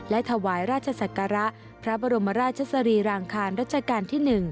และถวายราชศักระพระบรมราชสรีรางคารรัชกาลที่๑